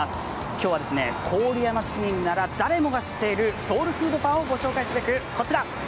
今日は郡山市民なら誰もが知っているソウルフードパンを御紹介すべくこちら！